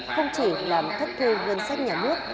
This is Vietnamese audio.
không chỉ làm thất thư ngân sách nhà nước